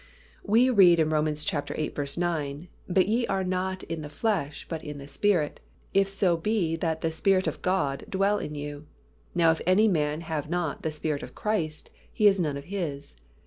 We read in Rom. viii. 9, "But ye are not in the flesh, but in the Spirit, if so be that the Spirit of God dwell in you. Now if any man have not the Spirit of Christ, he is none of His."